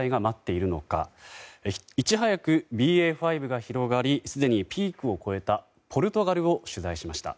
いち早くＢＡ．５が広がりすでにピークを超えたポルトガルを取材しました。